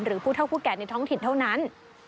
ผู้เท่าผู้แก่ในท้องถิ่นเท่านั้น